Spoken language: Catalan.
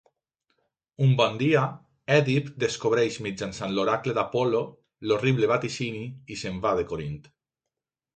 Un bon dia, Èdip descobreix mitjançant l'oracle d'Apol·lo l'horrible vaticini i se'n va de Corint.